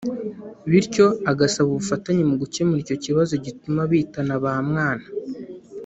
bityo agasaba ubufatanye mu gukemura icyo kibazo gituma bitana bamwana